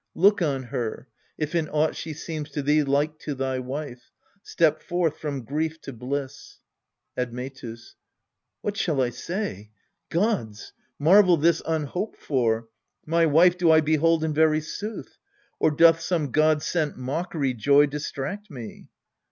Look on her, if in aught she seems to thee Like to thy wife. Step forth from grief to bliss. Admetus. What shall I say ? Gods ! Marvel this un hoped for ! My wife do I behold in very sooth, Or doth some god sent mockery joy distract me